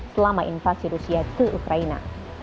selama invasi rusia ke ukraina